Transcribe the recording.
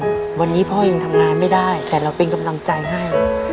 ทำงานไม่ได้แต่เราเป็นกำลังใจให้